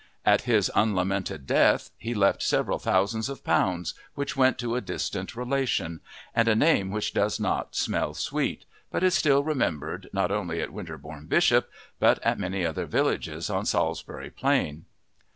At his unlamented death he left several thousands of pounds, which went to a distant relation, and a name which does not smell sweet, but is still remembered not only at Winterbourne Bishop but at many other villages on Salisbury Plain.